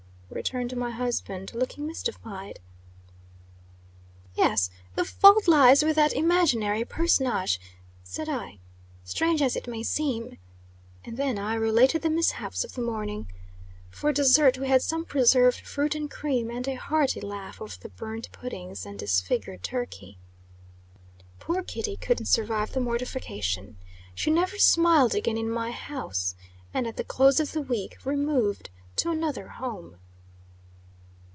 returned my husband, looking mystified. "Yes, the fault lies with that imaginary personage," said I, "strange as it may seem." And then I related the mishaps of the morning. For desert, we had some preserved fruit and cream, and a hearty laugh over the burnt puddings and disfigured turkey. Poor Kitty couldn't survive the mortification. She never smiled again in my house; and, at the close of the week, removed to another home.